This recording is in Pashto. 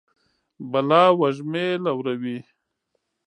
بلا وږمې لوروي